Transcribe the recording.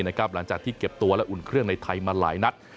หลังจากที่เก็บตัวและอุ่นเครื่องในไทยมาหลายนัด